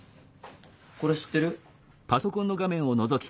これ知ってる？